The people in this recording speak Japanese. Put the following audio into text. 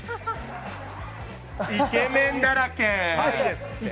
イケメンだらけ！